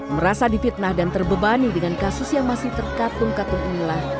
merasa difitnah dan terbebani dengan kasus yang masih terkatung katung inilah